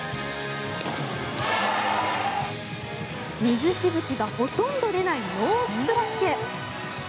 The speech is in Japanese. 水しぶきがほとんど出ないノースプラッシュ。